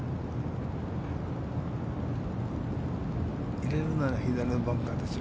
入れるなら左のバンカーですよ。